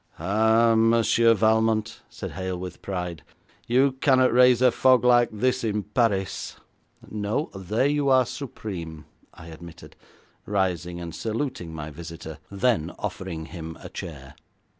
'Ah, Monsieur Valmont,' said Hale with pride, 'you cannot raise a fog like this in Paris!' 'No. There you are supreme,' I admitted, rising and saluting my visitor, then offering him a chair.